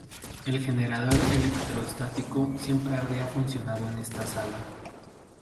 El generador electrostático siempre habría funcionado en esta sala.